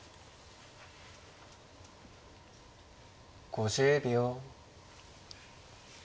５０秒。